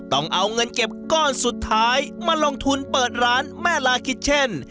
ต้องเอาเงินเก็บก้อนสุดท้ายมาลงทุนเปิดร้านแม่ลาคิชเช่น